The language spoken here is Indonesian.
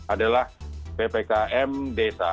adalah ppkm desa